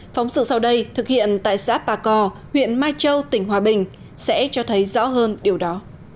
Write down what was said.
phóng sự sau đây thực hiện tại xã bà cò huyện mai châu tỉnh hòa bình sẽ cho thấy rõ hơn điều đó